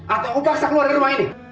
atau aku paksa keluar dari rumah ini